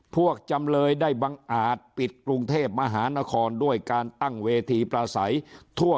จำเลยได้บังอาจปิดกรุงเทพมหานครด้วยการตั้งเวทีประสัยทั่ว